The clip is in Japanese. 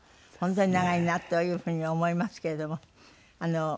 本当に長いなというふうに思いますけれども。